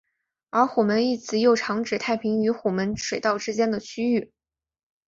而虎门一词又常指太平与虎门水道之间的区域。